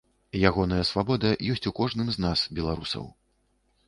Ягоная свабода ёсць у кожным з нас, беларусаў.